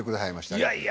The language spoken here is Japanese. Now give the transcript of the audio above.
いやいや。